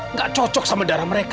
nggak cocok sama darah mereka